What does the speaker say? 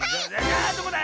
あどこだ